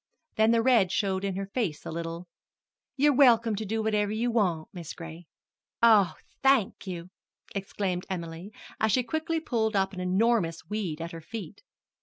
Then the red showed in her face a little. "You're welcome to do whatever you want, Mis' Gray." "Oh, thank you!" exclaimed Emily, as she quickly pulled up an enormous weed at her feet.